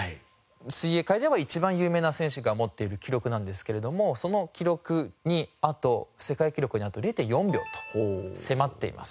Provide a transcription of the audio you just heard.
水泳界では一番有名な選手が持っている記録なんですけれどもその記録に世界記録にあと０．４秒と迫っています。